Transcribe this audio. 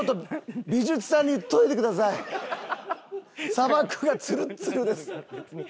砂漠がツルッツルです。